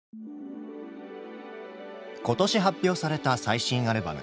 今年発表された最新アルバム。